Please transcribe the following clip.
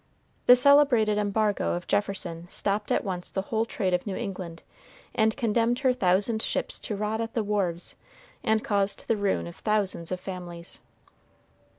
The celebrated embargo of Jefferson stopped at once the whole trade of New England, and condemned her thousand ships to rot at the wharves, and caused the ruin of thousands of families.